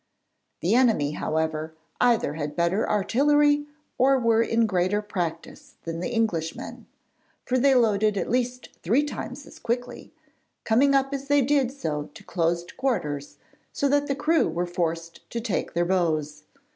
The enemy however either had better artillery or were in greater practice than the English men, for they loaded at least three times as quickly, coming up as they did so to closed quarters, so that the crew were forced to take to their bows.